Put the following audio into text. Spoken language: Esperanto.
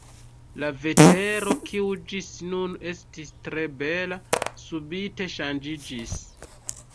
La vetero, kiu ĝis nun estis tre bela, subite ŝanĝiĝis.